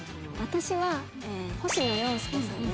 私は星野陽介さんです。